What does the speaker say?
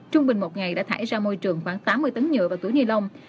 trung bình một ngày đã thải ra môi trường khoảng tám mươi tấn nhựa và túi ni lông